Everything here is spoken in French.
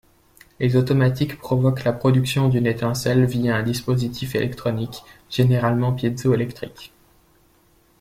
Les automatiques provoquent la production d'une étincelle via un dispositif électronique, généralement piézoélectrique.